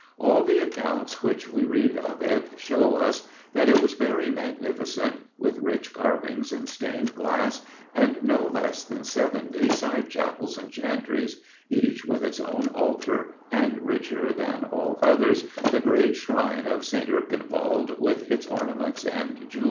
All the accounts which we read of it show us that it was very magnificent, with rich carvings, and stained glass, and no less than seventy side chapels and chantries, each with its own altar, and, richer than all others, the great Shrine of St. Erkenwald, with its ornaments and jewels.